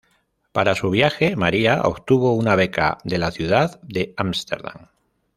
Para su viaje, Maria obtuvo una beca de la ciudad de Ámsterdam.